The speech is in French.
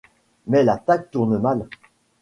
Mais l'attaque tourne mal.